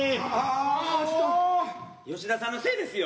吉田さんのせいですよ。